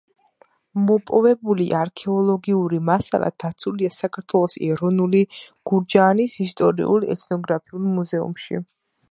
მოპოვებული არქეოლოგიური მასალა დაცულია საქართველოს ეროვნული გურჯაანის ისტორიულ-ეთნოგრაფიულ მუზეუმში.